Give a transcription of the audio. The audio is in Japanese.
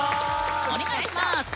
お願いします！